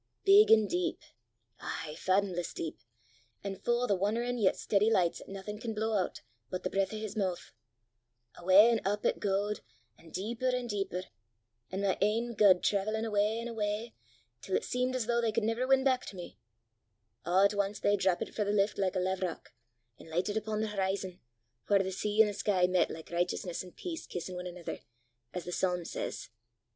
big an' deep, ay faddomless deep, an' fu' o' the wan'erin' yet steady lichts 'at naething can blaw oot, but the breath o' his moo'! Awa' up an' up it gaed, an' deeper an' deeper! an' my e'en gaed traivellin' awa' an' awa', till it seemed as though they never could win back to me. A' at ance they drappit frae the lift like a laverock, an' lichtit upo' the horizon, whaur the sea an' the sky met like richteousness an' peace kissin' ane anither, as the psalm says.